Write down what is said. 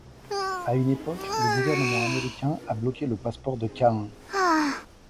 À une époque, le gouvernement américain a bloqué le passeport de Kahin.